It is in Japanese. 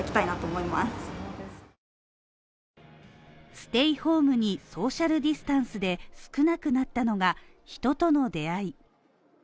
ステイホームにソーシャルディスタンスで少なくなったのが、人との出会い。